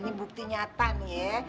ini bukti nyata nih ya